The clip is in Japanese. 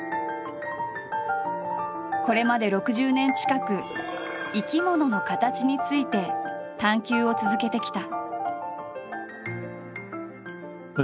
これまで６０年近く「生き物の形」について探求を続けてきた。